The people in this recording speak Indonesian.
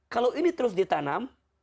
kalau ini terus ditanam